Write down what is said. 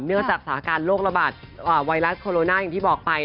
จากสถานการณ์โรคระบาดไวรัสโคโรนาอย่างที่บอกไป